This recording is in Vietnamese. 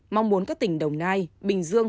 mong muốn các tỉnh đồng nai bình dương